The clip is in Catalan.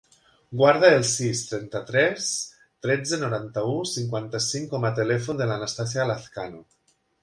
Guarda el sis, trenta-tres, tretze, noranta-u, cinquanta-cinc com a telèfon de l'Anastàsia Lazcano.